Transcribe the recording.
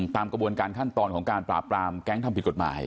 ตามกระบวนการขั้นตอนของการปราบปรามแก๊งทำผิดกฎหมาย